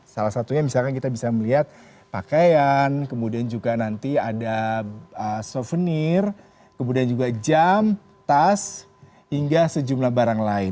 salah satunya misalkan kita bisa melihat pakaian kemudian juga nanti ada souvenir kemudian juga jam tas hingga sejumlah barang lain